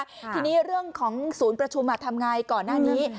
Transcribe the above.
ทีนี้เรื่องของศูนย์ประชุมทำไงก่อนหน้านี้